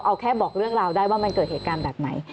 เอาแค่บอกเรื่องราวได้ว่ามันเกิดเหตุการณ์แบบไหน